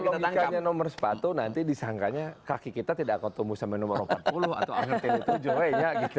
kalau logikanya nomor sepatu nanti disangkanya kaki kita tidak akan tumbuh sama nomor empat puluh atau angkatin tujuh